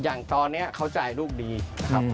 อย่างตอนนี้เขาจ่ายลูกดีครับ